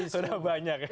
sudah banyak ya